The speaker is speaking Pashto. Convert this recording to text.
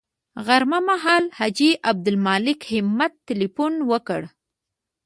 غرمه مهال حاجي عبدالمالک همت تیلفون وکړ.